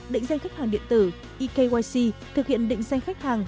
định danh khách hàng điện tử ekyc thực hiện định danh khách hàng